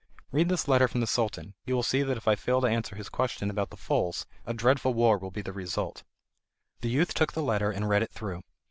Read this letter from the Sultan; you will see that if I fail to answer his question about the foals, a dreadful war will be the result." The youth took the letter and read it through.